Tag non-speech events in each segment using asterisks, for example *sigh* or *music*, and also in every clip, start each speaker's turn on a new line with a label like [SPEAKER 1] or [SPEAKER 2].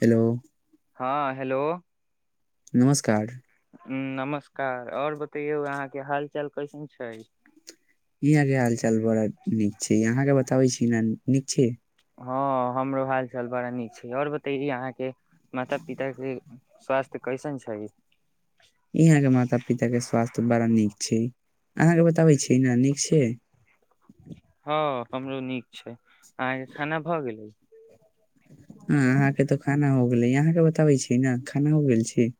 [SPEAKER 1] hello
[SPEAKER 2] हँ hello
[SPEAKER 1] नमस्कार
[SPEAKER 2] हुँ नमस्कार आऔर बतैयौ अहाँ के हाल चाल कैसन छै
[SPEAKER 1] हीयां के हाल चाल बड़ा नीक छै यां अहाँके बताबै छी ने नीक छै
[SPEAKER 2] हँ हमरो हाल चाल बड़ा नीक छै आओर बतैए अहाँके माता पिता के स्वास्थ्य कैसन छै
[SPEAKER 1] अहाँके बताबै छी की नानीक छै
[SPEAKER 2] हँ हमरो नीक छै अहके खाना भए गेलै
[SPEAKER 1] हँ अहाँके तऽ खाना हो गेलै अहाँके बताबै छीियै ने खाना हो गेल छै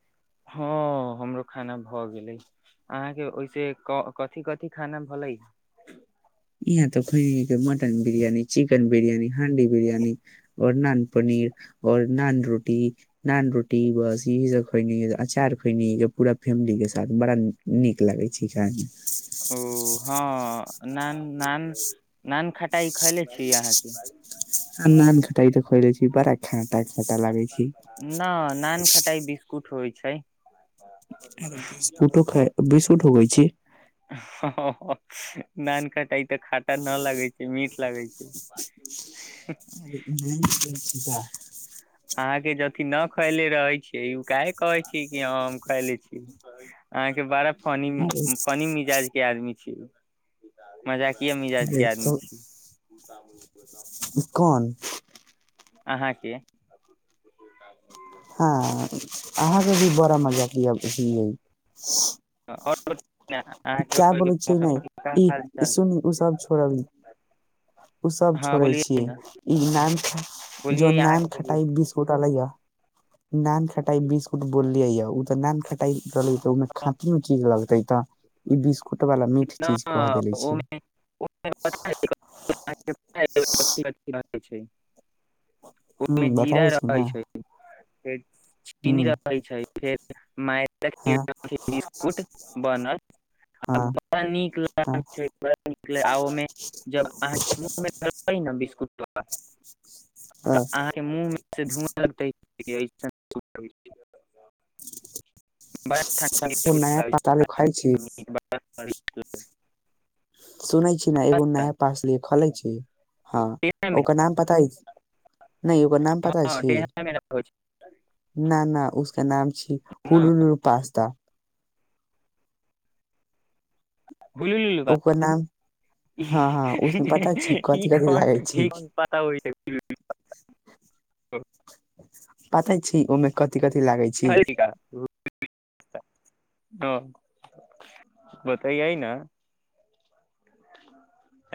[SPEAKER 2] हँ हमरो खाना भऽ गेलै अहाँके ओहिसे कथिी कथिी खाना भै
[SPEAKER 1] यहाँ तो खुने के मटन बिरियानी चिकेन बिरियानी हांडी बिरियानी और नान पनीर और नान रोटी नान रोटी बस इह सब खुने अचार खुने पूरा फेमिली के साथ बड़ा नीक लागे छै खाय मे
[SPEAKER 2] न नान नान खटाइ खैले छी अहाँके
[SPEAKER 1] हम नान खटाइ सब खइ लै छी परा छाँतय
[SPEAKER 2] न नान खटाई बिस्कुट होइ छै छै
[SPEAKER 1] अ बीस उठो ख बीस उठ ग छी
[SPEAKER 2] हंअ ह नान खटाइ खाटा न लगै छै मीठ लागै छै
[SPEAKER 1] अर नहि
[SPEAKER 2] अहा के अथी न खैले रहे छीे उ काहे कहे छी कि हम खाले छी अहाँ के बारा फनी
[SPEAKER 1] अरे
[SPEAKER 2] फनी मिजाज के आदमी छिय ह *inaudible* मजाकीए मिजाज के
[SPEAKER 1] अरे
[SPEAKER 2] आदमी
[SPEAKER 1] तो
[SPEAKER 2] छी त *unintelligible*
[SPEAKER 1] कोन
[SPEAKER 2] अहाँके
[SPEAKER 1] हँ अहाँके भी बड़ा मजा लिएक ह
[SPEAKER 2] ओ
[SPEAKER 1] क्या बोलै छियै नहि ई सुनी ओ सब छोड़बी उ सब
[SPEAKER 2] हँ
[SPEAKER 1] छोड़े
[SPEAKER 2] बोलिये
[SPEAKER 1] छीये
[SPEAKER 2] न
[SPEAKER 1] ई नान जो
[SPEAKER 2] बोलिये
[SPEAKER 1] नान
[SPEAKER 2] अहाँके बोलिये
[SPEAKER 1] खटाई बिस्कुट अले ये नान खट बिकु बल ओ तऽ न ख *unintelligible* *inaudible* रहल तऽ ओहिमे खाति मे चीज लगतै तऽ ई बिस्कुट वाला मिठ चीज कह देले छी
[SPEAKER 2] ओहिमे *inaudible* छै
[SPEAKER 1] ह्म बताबै छी ने
[SPEAKER 2] त चीनी रहै छै फेर में
[SPEAKER 1] हाँ
[SPEAKER 2] *unintelligible* बिस्कुट बनलड़
[SPEAKER 1] हाँ
[SPEAKER 2] न ओहि
[SPEAKER 1] हाँ
[SPEAKER 2] ज अह मु बिक *unintelligible* कुटवा तऽ
[SPEAKER 1] अ
[SPEAKER 2] अहाँके मुँह मे से धुआ लगतै *unintelligible* *inaudible*
[SPEAKER 1] *inaudible*
[SPEAKER 2] *unintelligible* पढ़
[SPEAKER 1] एगो नया पाता खाइ छी
[SPEAKER 2] *inaudible*
[SPEAKER 1] सुनै छी ने एगो नया पास लि खले छी हँ
[SPEAKER 2] मे
[SPEAKER 1] ओकर नाम पता नहि ओकर नाम पता
[SPEAKER 2] हँ
[SPEAKER 1] छै
[SPEAKER 2] टेढ़ा मेढ़ा होइ छै
[SPEAKER 1] न न उस केना
[SPEAKER 2] ने
[SPEAKER 1] हुल हलु पास्ता ओकर नाम हँ हँ उसमे पता छी कथि कथि लागै छी
[SPEAKER 2] *inaudible*
[SPEAKER 1] पताे छी ओहिमे कथि कथी कथी लागै छी
[SPEAKER 2] हं बतैयै न